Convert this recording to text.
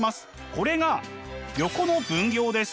これが「横の分業」です。